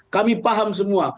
kami paham semua